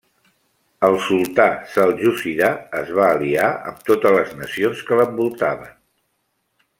El sultà seljúcida es va aliar amb totes les nacions que l'envoltaven.